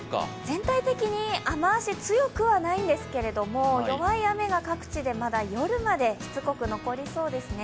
全体的に、雨足、強くはないんですが弱い雨が各地でまだ夜までしつこく残りそうですね。